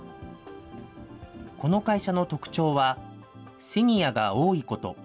この会社の特徴は、シニアが多いこと。